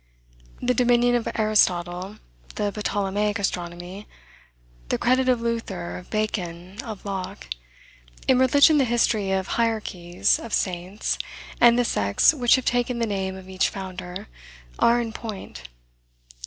The dominion of Aristotle, the Ptolemaic astronomy, the credit of Luther, of Bacon, of Locke, in religion the history of hierarchies, of saints, and the sects which have taken the name of each founder, are in point.